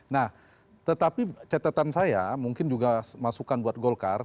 nah tetapi catatan saya mungkin juga masukan buat golkar